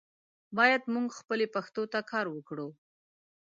باید مونږ خپلې پښتو ته کار وکړو.